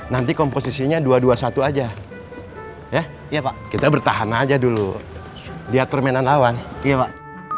nanti komposisinya dua ratus dua puluh satu aja ya iya kita bertahan aja dulu dia permen lawan iya pak